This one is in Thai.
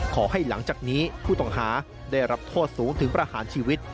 หลังจากนี้ผู้ต้องหาได้รับโทษสูงถึงประหารชีวิต